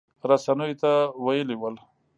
رسنیو ته ویلي ول